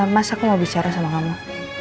mas aku mau bicara sama kamu